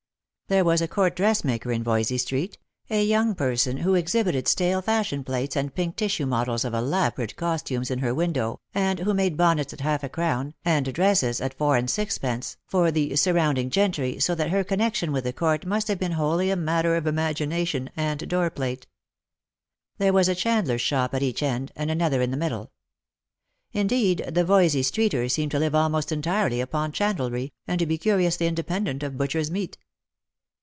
There was a court dressmaker in Voysey street ; a young per son who exhibited stale fashion plates and pink tissue models of elaborate costumes in her window, and who made bonnets at half a crown, and dresses at four and sixpence, for the sur rounding gentry, so that her connection with the Court must have been wholly a matter of imagination and door plate. There was a chandler's shop at each end, and another in the middle. Indeed, the Voysey streeters seemed to live almost entirely upon chandlery, and to be curiously independent of butchers' meat.